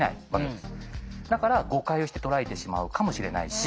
だから誤解をして捉えてしまうかもしれないし。